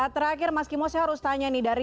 terakhir mas kimo saya harus tanya nih dari